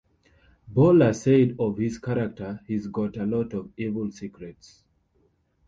Bowler said of his character, He's got a lot of evil secrets.